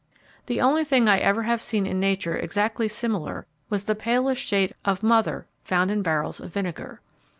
The only thing I ever have seen in nature exactly similar was the palest shade of 'mother' found in barrels of vinegar.